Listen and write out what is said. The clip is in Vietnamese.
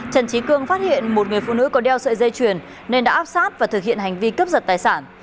trần trí cương phát hiện một người phụ nữ có đeo sợi dây chuyền nên đã áp sát và thực hiện hành vi cướp giật tài sản